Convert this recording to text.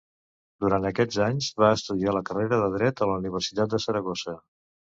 Durant aquests anys va estudiar la carrera de Dret a la Universitat de Saragossa.